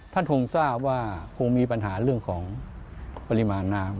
ท่านคงทราบว่าคงมีปัญหาเรื่องของปริมาณน้ำ